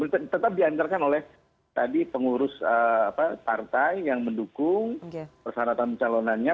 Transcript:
tetap dianggarkan oleh tadi pengurus partai yang mendukung persyaratan calonannya